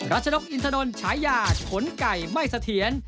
ชนกอินทนนท์ฉายาขนไก่ไม่เสถียร